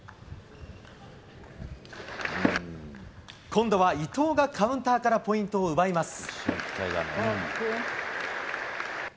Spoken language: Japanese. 今度は伊藤がカウンターからポイントを奪います。